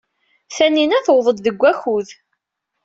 Taninna tewweḍ-d deg wakud.